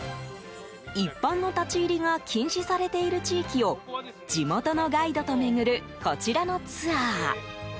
一般の立ち入りが禁止されている地域を地元のガイドと巡るこちらのツアー。